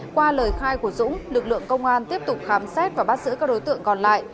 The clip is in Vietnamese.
qua lời khai của dũng lực lượng công an tiếp tục khám xét và bắt giữ các đối tượng còn lại